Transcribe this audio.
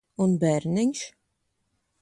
Un bērniņš?